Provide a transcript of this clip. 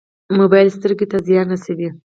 موبایل سترګو ته زیان رسوي